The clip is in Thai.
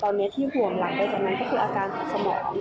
ตอนนี้ที่ห่วงหลังจากนั้นก็คืออาการทางสมอง